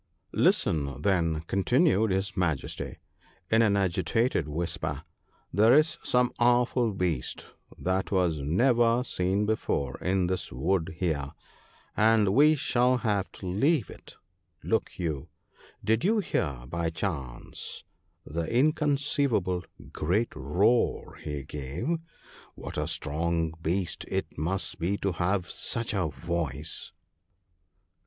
Listen, then/ continued his Majesty in an agitated whisper, 'there is some awful beast that was never seen before in this wood here ; and we shall have E 66 THE BOOK OF GOOD COUNSELS. r to leave it, look you. Did you hear by chance the inconceivable great roar he gave ? What a strong beast it must be to have such a voice